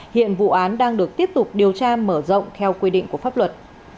hiện vụ án đang được tiếp tục điều tra mở rộng theo quy định của pháp luật